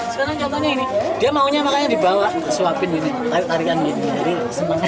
sekarang contohnya ini dia maunya makannya di bawah suapin ini tarikan gitu jadi semangat